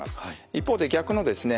一方で逆のですね